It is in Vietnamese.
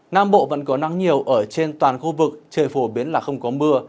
nam bộ vẫn có nắng nhiều ở trên toàn khu vực trời phổ biến là không có mưa